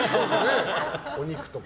お肉とか。